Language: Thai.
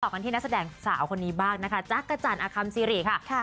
กันที่นักแสดงสาวคนนี้บ้างนะคะจักรจันทร์อคัมซิริค่ะ